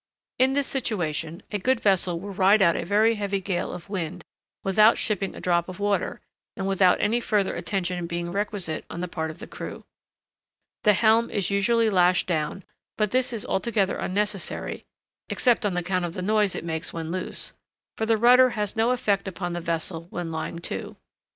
In this situation a good vessel will ride out a very heavy gale of wind without shipping a drop of water, and without any further attention being requisite on the part of the crew. The helm is usually lashed down, but this is altogether unnecessary (except on account of the noise it makes when loose), for the rudder has no effect upon the vessel when lying to.